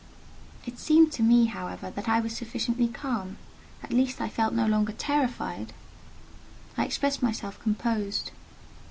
It seemed to me, however, that I was sufficiently calm: at least I felt no longer terrified. I expressed myself composed.